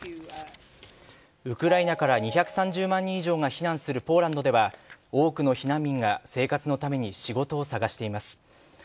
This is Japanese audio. ウクライナから２３０万人以上が避難するポーランドでは多くの避難民が生活のために仕事を探しています。